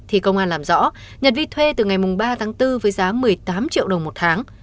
thì công an làm rõ nhật vi thuê từ ngày ba tháng bốn với giá một mươi tám triệu đồng một tháng